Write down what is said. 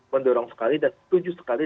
mendorong sekali dan tujuh sekali